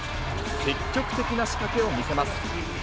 積極的な仕掛けを見せます。